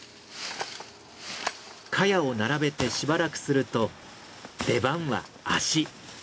カヤを並べてしばらくすると出番は足。